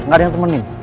gak ada yang temenin